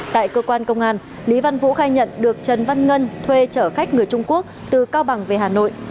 tại cơ quan công an lý văn vũ khai nhận được trần văn ngân thuê chở khách người trung quốc từ cao bằng về hà nội